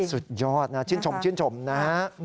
สุดยอดนะชิ้นชมนะ